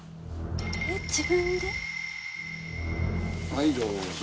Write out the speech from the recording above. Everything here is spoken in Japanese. はいどうぞ。